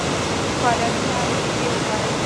فعالیتونه له نیژدې وڅاري.